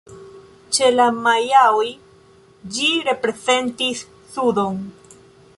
Ĉe la majaoj ĝi reprezentis sudon.